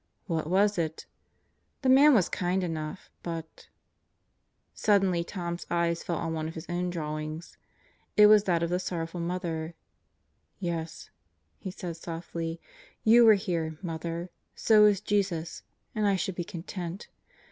What was it? The man was kind enough but .. .Suddenly Tom's eye fell on one of his own drawings. It was that of the Sorrowful Mother. "Yes," he said softly, "you are here, Mother. So is Jesus. And I should be content.